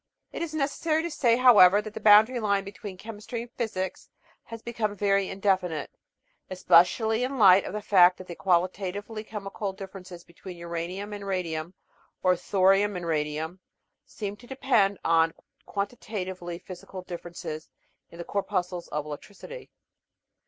It is necessary to say, however, that the boundary line between Chemistry and Physics has become very indefinite, especially in light of the fact that the qualitatively chemical dif ferences between Uranium and Radium or Thorium and Radium seem to depend on quantitatively physical differences in the cor puscles of electricity.